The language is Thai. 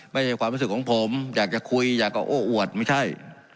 ไม่ใช่ความรู้สึกของผมอยากจะคุยอยากจะโอ้อวดไม่ใช่